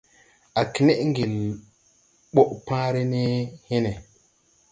Á knɛʼ ŋgel ɓɔ pããre ne hene.